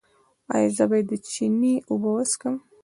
ایا زه باید د چینې اوبه وڅښم؟